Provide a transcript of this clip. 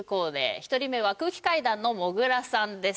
１人目は空気階段のもぐらさんです。